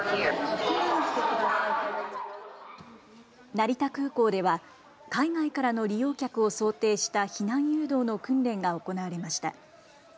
成田空港では海外からの利用客を想定した避難誘導の訓練が行われました。